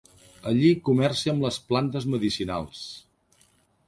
Allí comercia amb les plantes medicinals.